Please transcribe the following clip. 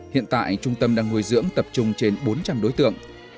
hiện tại trung tâm đang nuôi dưỡng tập trung trên bốn trăm linh đối tượng